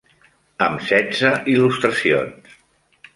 Amb setze il·lustracions.